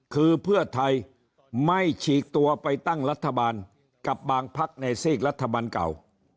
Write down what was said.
คือเพื่อไทยไม่ฉีกตัวไปตั้งรัฐบาลกับบางพักในซีกรัฐบาลเก่า